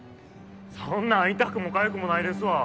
そんなん痛くもかゆくもないですわ